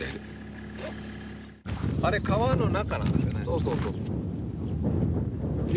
そうそうそう。